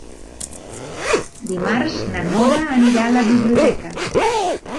Dimarts na Nora anirà a la biblioteca.